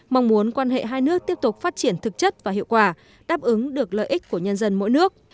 mong muốn quan hệ hai nước tiếp tục phát triển thực chất và hiệu quả đáp ứng được lợi ích của nhân dân mỗi nước